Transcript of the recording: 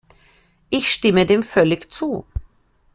Ich stimme dem völlig zu.